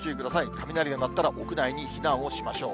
雷が鳴ったら、屋内に避難をしましょう。